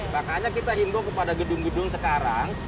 makanya kita hindu kepada gedung gedung sekarang